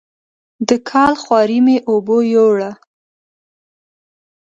د کال خواري مې اوبو یووړه.